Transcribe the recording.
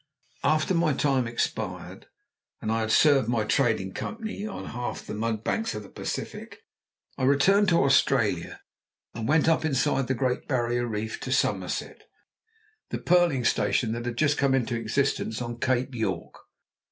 After my time expired and I had served my Trading Company on half the mudbanks of the Pacific, I returned to Australia and went up inside the Great Barrier Reef to Somerset the pearling station that had just come into existence on Cape York.